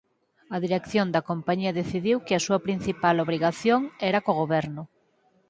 A dirección da compañía decidiu que a súa principal obrigación era co goberno.